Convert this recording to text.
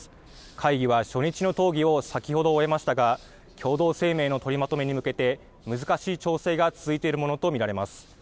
会議は初日の討議を先ほど終えましたが共同声明の取りまとめに向けて難しい調整が続いているものと見られます。